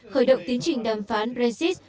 khởi động tiến trình đàm phán brexit